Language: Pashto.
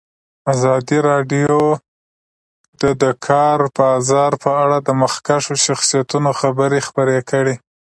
ازادي راډیو د د کار بازار په اړه د مخکښو شخصیتونو خبرې خپرې کړي.